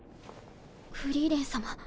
フリーレン様